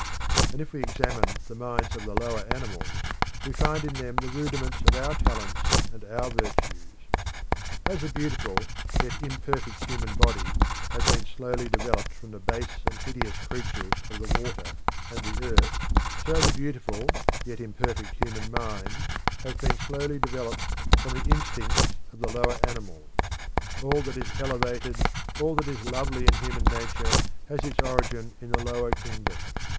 And if we examine the minds of the lower animals, we find in them the rudiments of our talents and our virtues. As the beautiful yet imperfect human body has been slowly developed from the base and hideous creatures of the water and the earth, so the beautiful yet imperfect human mind has been slowly developed from the instincts of the lower animals. All that is elevated, all that is lovely in human nature has its origin in the lower kingdom.